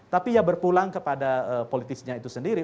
tapi ya berpulang kepada politisnya itu sendiri